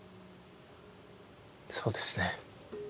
そうですね。